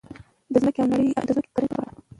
د ځمکې او کرنې په اړه: